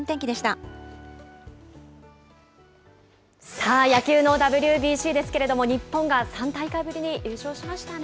さあ、野球のＷＢＣですけれども、日本が３大会ぶりに優勝しましたね。